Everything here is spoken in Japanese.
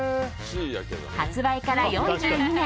発売から４２年。